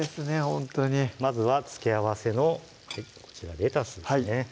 ほんとにまずは付け合わせのこちらレタスですね